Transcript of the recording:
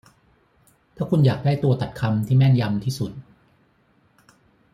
ถ้าคุณอยากได้ตัวตัดคำที่แม่นยำที่สุด